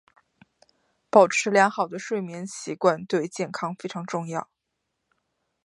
保持良好的睡眠习惯对健康非常重要。